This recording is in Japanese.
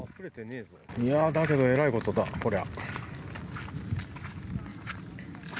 いやだけどえらいことだこれは。